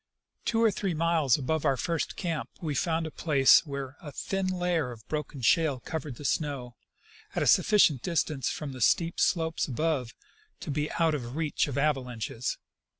Two or three miles above our first camp we found a place where a thin layer of broken shale covered the snow, at a sufficient dis tance from the steep slopes above to be out of the reach of ava lanches.